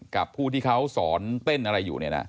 กับผู้ที่เขาสอนเต้นอะไรอยู่